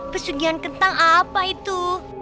pesulian kentang apa itu